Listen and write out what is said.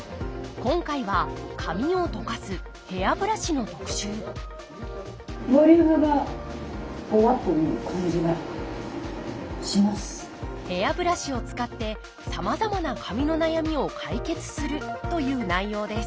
今回は髪をとかす「ヘアブラシ」の特集ヘアブラシを使ってさまざまな髪の悩みを解決するという内容です